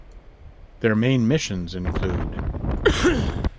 Their main missions include.